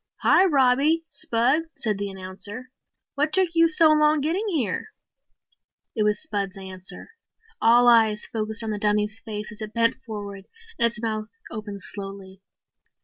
"Hi, Robbie, Spud," said the announcer. "What took you so long getting here?" It was Spud's answer. All eyes focused on the dummy's face as it bent forward and its mouth opened slowly.